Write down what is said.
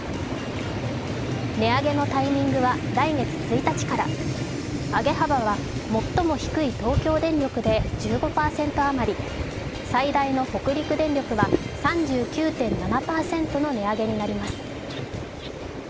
値上げのタイミングは来月１日から上げ幅は最も低い東京電力で１５％余り、最大の北陸電力は３９．７％の値上げになります。